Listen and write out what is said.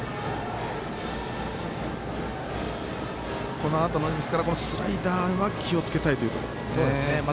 このあと、スライダーは気をつけたいところですね。